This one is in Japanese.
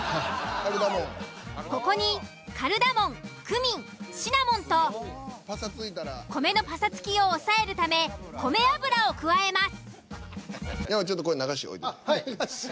ここにカルダモンクミンシナモンと米のパサつきを抑えるため米油を加えます。